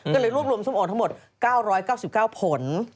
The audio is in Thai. ก็เลยรวบรวมส้มโอนทั้งหมด๙๙๙ผล